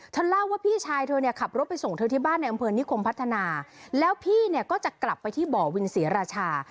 เล่าว่าพี่ชายเธอเนี่ยขับรถไปส่งเธอที่บ้านในอำเภอนิคมพัฒนาแล้วพี่เนี่ยก็จะกลับไปที่บ่อวินศรีราชา